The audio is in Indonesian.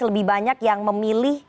lebih banyak yang memilih